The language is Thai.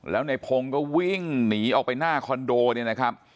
แล้วในพงศ์ก็วิ่งหนีออกไปหน้าคอนโดเนี่ยนะครับ